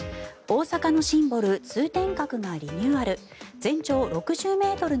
大阪のシンボル通天閣がリニューアル。